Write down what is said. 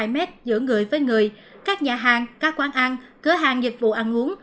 hai m giữa người với người các nhà hàng các quán ăn cửa hàng dịch vụ ăn uống